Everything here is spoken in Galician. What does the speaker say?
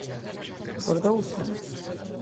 Por dous anos.